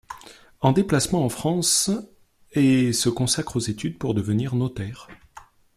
En déplacement en France et se consacre aux études pour devenir notaire.